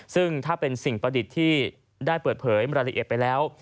ซึ่งถ้าเป็นสิ่งประดิษฐ์ที่ได้เปิดเผยรายละเอียดไปแล้ว